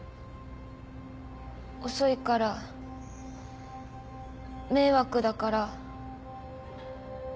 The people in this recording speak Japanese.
遅いから迷惑だから。